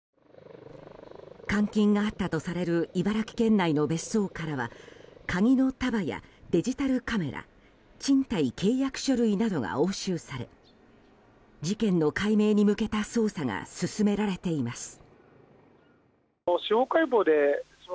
監禁があったとされる茨城県内の別荘からは鍵の束やデジタルカメラ賃貸契約書類などが押収され事件の解明に向けた捜査が進められています。